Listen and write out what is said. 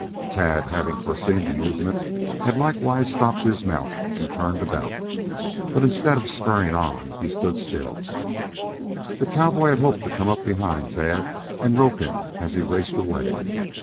Tad, having foreseen the movement, had likewise stopped his mount, and turned about. But instead of spurring on, he stood still. The cowboy had hoped to come up behind Tad and rope him as he raced away.